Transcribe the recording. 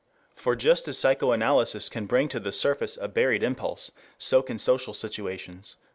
For just as psychoanalysis can bring to the surface a buried impulse, so can social situations.